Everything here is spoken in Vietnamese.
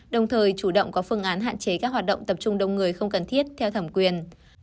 đồng thời chủ động có phương án hạn chế các hoạt động tập trung đông người không cần thiết theo thẩm quyền